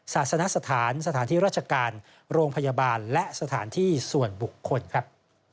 ศาสนสถานสถานที่ราชการโรงพยาบาลและสถานที่ส่วนบุคคลครับ